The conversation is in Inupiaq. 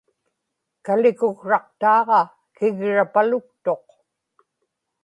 kalikuksraqtaaġa kigrapaluktuq